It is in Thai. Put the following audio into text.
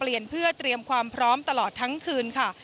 เพื่อเตรียมความพร้อมตลอดทั้งคืนค่ะ